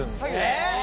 えっ。